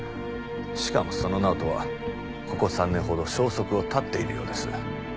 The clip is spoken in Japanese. しかもその直人はここ３年ほど消息を絶っているようです。